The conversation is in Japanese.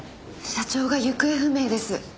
社長が行方不明です。